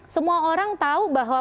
semua orang tahu bahwa